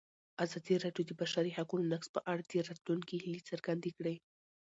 ازادي راډیو د د بشري حقونو نقض په اړه د راتلونکي هیلې څرګندې کړې.